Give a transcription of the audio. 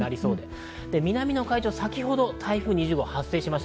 南の海上、先ほど台風２０号が発生しました。